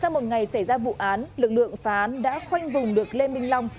một ngày xảy ra vụ án lực lượng phá án đã khoanh vùng được lê minh long